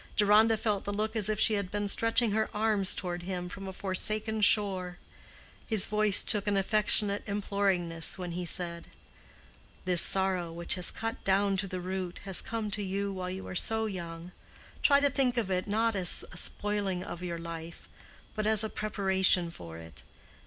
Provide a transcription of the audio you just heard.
Deronda felt the look as if she had been stretching her arms toward him from a forsaken shore. His voice took an affectionate imploringness when he said, "This sorrow, which has cut down to the root, has come to you while you are so young—try to think of it not as a spoiling of your life, but as a preparation for it.